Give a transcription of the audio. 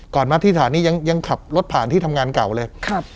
มาที่สถานียังยังขับรถผ่านที่ทำงานเก่าเลยครับ